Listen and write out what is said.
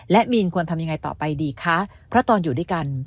และมีนควรทำยังไงต่อไปดีคะเพราะตอนอยู่ด้วยกัน